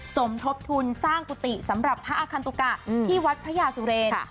สมทบทุนสร้างกุฏิสำหรับพระอาคันตุกะที่วัดพระยาสุเรน